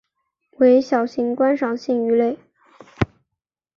为小型观赏性鱼类。